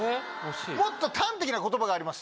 もっと端的な言葉があります。